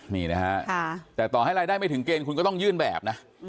นี่นะฮะแต่ต่อให้รายได้ไม่ถึงเกณฑ์คุณก็ต้องยื่นแบบนะ